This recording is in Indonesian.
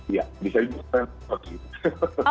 iya bisa juga